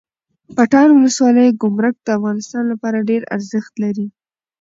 پټان ولسوالۍ ګمرک د افغانستان لپاره ډیره ارزښت لري